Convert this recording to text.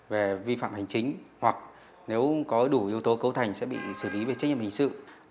về vi phạm hành chính hoặc nếu có đủ yếu tố cấu thành sẽ bị xử lý về trách nhiệm hình sự